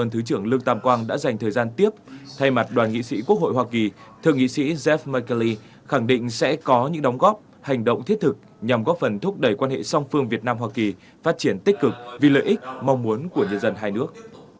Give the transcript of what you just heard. thượng nghị sĩ quốc hội hoa kỳ thượng nghị sĩ jeff mckinley khẳng định sẽ có những đóng góp hành động thiết thực nhằm góp phần thúc đẩy quan hệ song phương việt nam hoa kỳ phát triển tích cực vì lợi ích mong muốn của nhân dân hai nước